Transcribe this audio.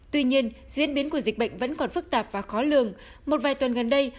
tuy nhiên diễn biến của dịch bệnh vẫn còn phức tạp và khó lường một vài tuần gần đây